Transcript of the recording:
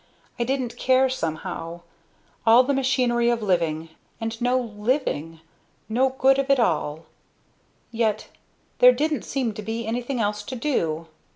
I didn't care, somehow. All the machinery of living, and no living no good of it all! Yet there didn't seem to be anything else to do.